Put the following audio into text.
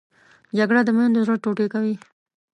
جګړه د میندو زړه ټوټې کوي